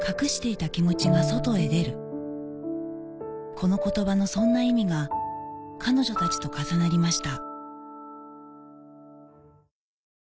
この言葉のそんな意味が彼女たちと重なりました